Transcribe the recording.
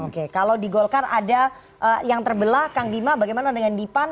oke kalau di golkar ada yang terbelah kang bima bagaimana dengan di pan